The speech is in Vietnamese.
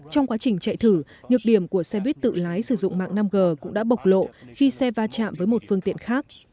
trong quá trình chạy thử nhược điểm của xe buýt tự lái sử dụng mạng năm g cũng đã bộc lộ khi xe va chạm với một phương tiện khác